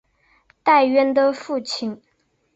戴渊的父亲。